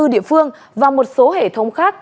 hai mươi địa phương và một số hệ thống khác